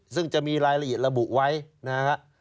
ซึ่งจะมีรายละเอียดระบุไว้นะฮะ